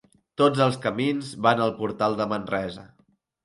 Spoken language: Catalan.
Tots els camins van al portal de Manresa.